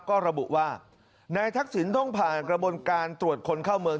ก็ระบุว่านายทักษิณต้องผ่านกระบวนการตรวจคนเข้าเมือง